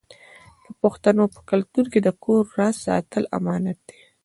د پښتنو په کلتور کې د کور راز ساتل امانت دی.